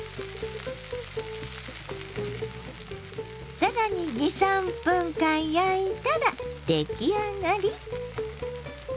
更に２３分間焼いたら出来上がり！